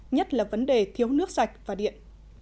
nhất là vấn đề thiếu nước sạch và điện